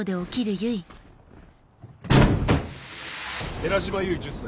寺島唯１０歳。